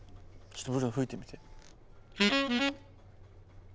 ちょっとブルーノ吹いてみて。